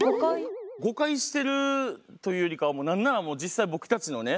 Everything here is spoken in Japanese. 誤解してるというよりかは何なら実際僕たちのね